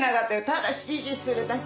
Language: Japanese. ただ指示するだけ。